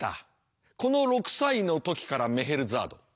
この６歳の時からメヘルザード